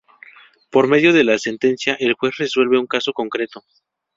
Por medio de la sentencia el juez resuelve un caso concreto.